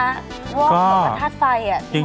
วรอกกว่าถาดไฟอ่ะ